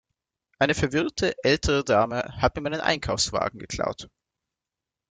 Eine verwirrte ältere Dame hat mir meinen Einkaufswagen geklaut.